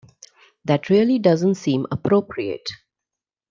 That really doesn't seem appropriate.